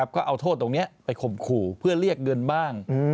ก็เอาโทษตรงนี้ไปข่มขู่เพื่อเรียกเงินบ้าง